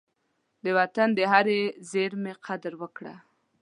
د وطن د هرې زېرمي قدر وکړه.